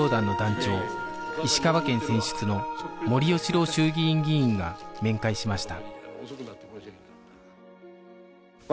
石川県選出の森喜朗衆議院議員が面会しました